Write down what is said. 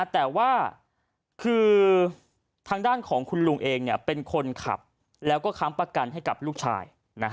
แต่ว่าคือทางด้านของคุณลุงเองเป็นคนขับแล้วก็ค้ำประกันให้กับลูกชาย